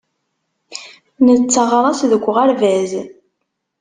Netteɣraṣ deg uɣerbaz.